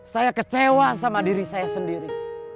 saya kecewa sama diri saya sendiri